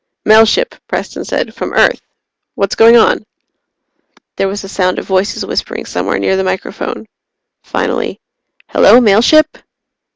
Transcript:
"Mail ship," Preston said. "From Earth. What's going on?" There was the sound of voices whispering somewhere near the microphone. Finally: "Hello, Mail Ship?"